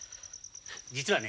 実はね